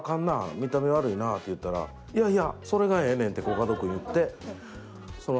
見た目悪いな」って言ったら「いやいやそれがええねん！」ってコカド君言って。